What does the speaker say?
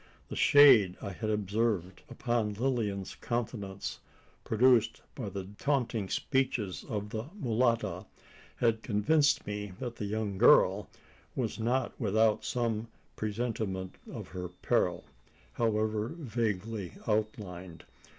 The shade I had observed upon Lilian's countenance produced by the taunting speeches of the mulatta had convinced me that the young girl was not without some presentiment of her peril, however vaguely outlined.